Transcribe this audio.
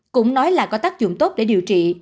cũng nói là có tác dụng tốt để điều trị